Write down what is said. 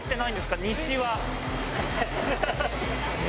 西は。